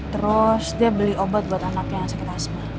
terus dia beli obat buat anak yang sakit asma